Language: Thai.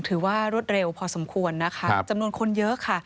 ถือว่ารวดเร็วพอสมควรนะคะจำนวนคนเยอะค่ะ